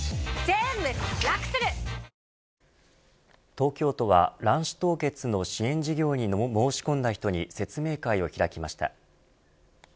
東京都は、卵子凍結の支援事業に申し込んだ人に説明会を開きました。